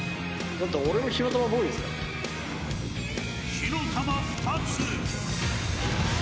火の玉、２つ。